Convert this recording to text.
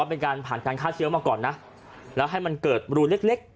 เป็นการผ่านการฆ่าเชื้อมาก่อนนะแล้วให้มันเกิดรูเล็ก